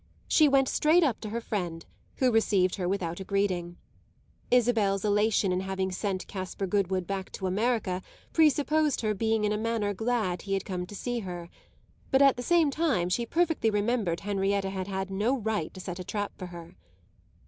She went straight up to her friend, who received her without a greeting. Isabel's elation in having sent Caspar Goodwood back to America presupposed her being in a manner glad he had come to see her; but at the same time she perfectly remembered Henrietta had had no right to set a trap for her.